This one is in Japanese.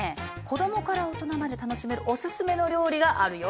子供から大人まで楽しめるおすすめの料理があるよ。